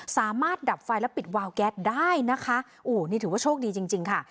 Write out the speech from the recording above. สามารถดับไฟและปิดวาวแก๊สได้นะคะโอ้นี่ถือว่าโชคดีจริงจริงค่ะ